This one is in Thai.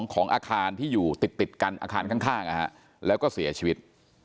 ของอาคารที่อยู่ติดกันอาคารข้างแล้วก็เสียชีวิต